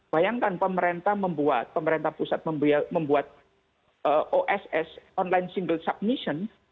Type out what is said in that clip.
bayangkan pemerintah membuat pemerintah pusat membuat oss online single submission